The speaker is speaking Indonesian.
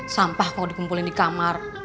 sampah kalau dikumpulin di kamar